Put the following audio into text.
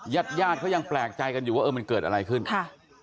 ญาติญาติเขายังแปลกใจกันอยู่ว่าเออมันเกิดอะไรขึ้นค่ะ